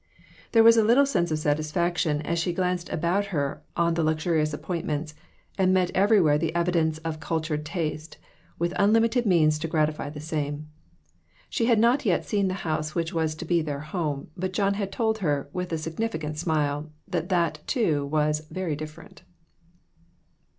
There was a little sense of satisfaction as she 2IO CHARACTER STUDIES. glanced about her on the luxurious appointments, and met everywhere the evidence of cultured taste, with unlimited means to gratify the same. She had not yet seen the house which was to be their home, but John had told her, with a significant smile, that that, too, was "very different."